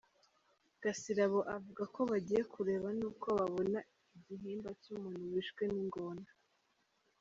Gasirabo avuga ko bagiye kureba nuko babona igihimba cy’umuntu wishwe n’ingona.